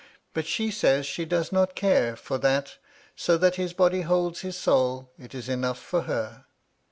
But she says she does not care for that, so that ' his body holds his soul, it is enough for her.